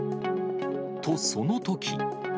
と、そのとき。